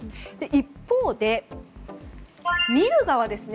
一方で、見る側ですね。